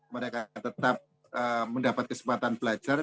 mereka tetap mendapat kesempatan belajar